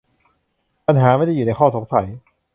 ปัญหาไม่ได้อยู่ในข้อสงสัย